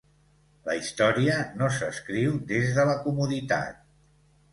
La història no s’escriu des de la comoditat.